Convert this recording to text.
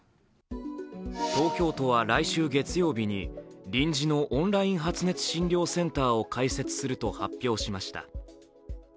東京都は来週月曜日に臨時のオンライン発熱診療センターを開設すると発表しました。